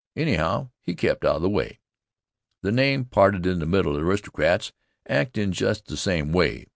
Anyhow, he kept out of the way. The name parted in the middle aristocrats act in just the same way.